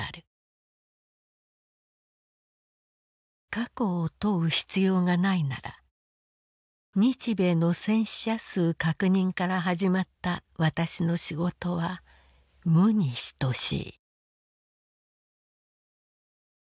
「過去を問う必要がないなら日米の戦死者数確認からはじまった私の仕事は無にひとしい」。